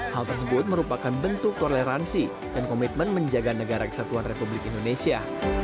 hal tersebut merupakan bentuk toleransi dan komitmen menjaga negara kesatuan republik indonesia